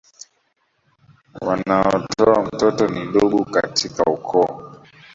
Wanaotoa mtoto ni ndugu katika ukoo